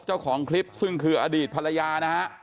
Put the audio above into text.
เจ้าของคลิปซึ่งคืออดีตภรรยานะฮะ